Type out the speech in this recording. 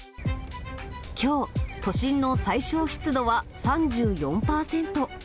きょう、都心の最小湿度は３４％。